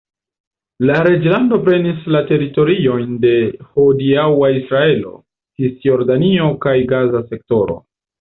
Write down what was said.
La reĝlando prenis la teritoriojn de hodiaŭa Israelo, Cisjordanio kaj Gaza Sektoro.